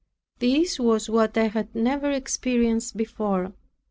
This was what I had never experienced before.